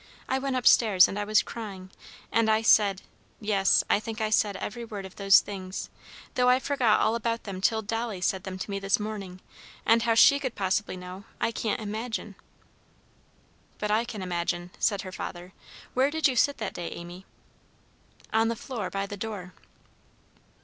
I went up stairs, and I was crying, and I said, yes, I think I said every word of those things, though I forgot all about them till Dolly said them to me this morning, and how she could possibly know, I can't imagine." "But I can imagine," said her father. "Where did you sit that day, Amy?" "On the floor, by the door."